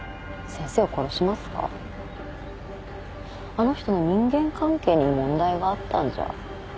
あの人の人間関係に問題があったんじゃ？